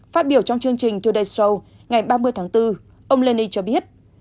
phát biểu trong chương trình today show ngày ba mươi tháng bốn ông lenny cho biết